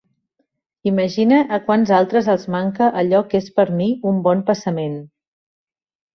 Imagine a quants altres els manca allò que és per mi un bon passament.